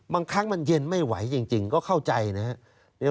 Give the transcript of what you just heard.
บางครั้งมันเย็นไม่ไหวจริงก็เข้าใจนะครับ